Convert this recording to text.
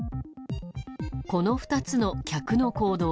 この２つの客の行動。